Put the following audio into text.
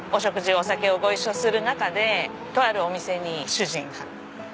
お酒をご一緒する中でとあるお店に主人がおりまして。